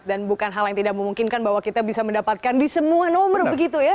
dan bukan hal yang tidak memungkinkan bahwa kita bisa mendapatkan di semua nomor begitu ya